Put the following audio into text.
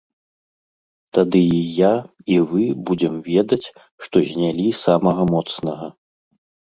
Тады і я, і вы будзем ведаць, што знялі самага моцнага.